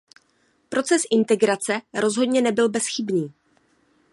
Proces integrace rozhodně nebyl bezchybný.